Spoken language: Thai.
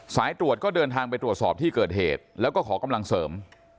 สายตรวจก็เดินทางไปตรวจสอบที่เกิดเหตุแล้วก็ขอกำลังเสริม